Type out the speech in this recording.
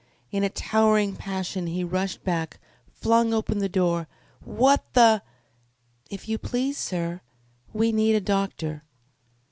In a towering passion he rushed back, flung open the door. "What the ?" "If you please, sir, we need a doctor."